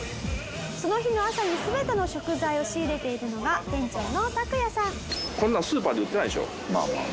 その日の朝に全ての食材を仕入れているのが店長のタクヤさん。